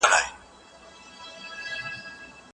هغه تيوري چې جانبداره وي نيمګړې ده.